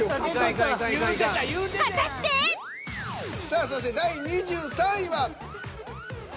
さあそして第２３位は。